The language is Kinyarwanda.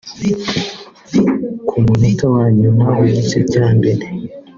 Ku munota wa nyuma w’igice cya mbere